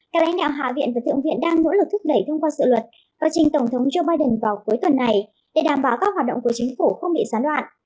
các lãnh đạo hạ viện và thượng viện đang nỗ lực thúc đẩy thông qua sự luật và trình tổng thống joe biden vào cuối tuần này để đảm bảo các hoạt động của chính phủ không bị gián đoạn